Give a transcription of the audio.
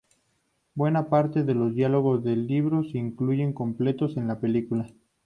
Buena parte de los diálogos del libro se incluyen completos en la película.